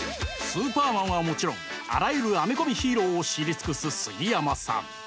「スーパーマン」はもちろんあらゆるアメコミヒーローを知り尽くす杉山さん！